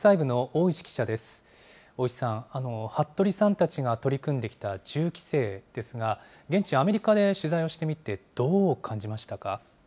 大石さん、服部さんたちが取り組んできた銃規制ですが、現地、アメリカで取材をしてみて、どう感じましたか。